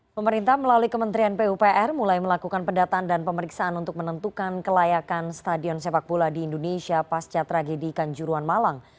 pemerintah melalui kementerian pupr mulai melakukan pendataan dan pemeriksaan untuk menentukan kelayakan stadion sepak bola di indonesia pasca tragedi kanjuruan malang